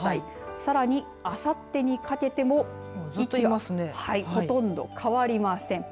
さらに、あさってにかけてもほとんど変わりません。